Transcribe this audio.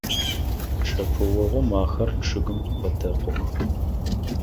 Чъэпыогъум ахэр чъыгым къыпэтэкъух.